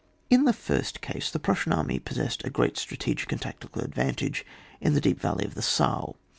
In the first case, the Prussian army possessed a great strategic and tactical advantage in the deep valley of the Saale.